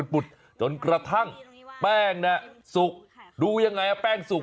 ปุดจนกระทั่งแป้งน่ะสุกดูยังไงแป้งสุก